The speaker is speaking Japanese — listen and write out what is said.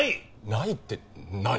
ないって何？